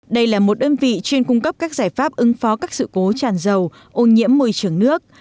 đây là một đơn vị chuyên cung cấp các giải pháp ứng phó các sự cố tràn dầu ô nhiễm môi trường nước